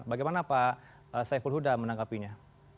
bagaimana pak saiful huda menangkapinya